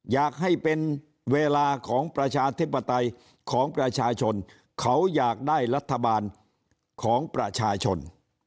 อยากให้เป็นเวลาของประชาธิปไตยของประชาชนเขาอยากได้รัฐบาลของประชาชน